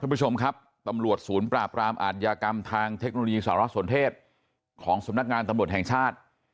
คุณผู้ชมครับตำรวจศูนย์ปราบรามอาทยากรรมทางเทคโนโลยีสารสนเทศของสำนักงานตำรวจแห่งชาติ